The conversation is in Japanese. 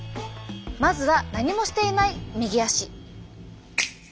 まずは何もしていない右足。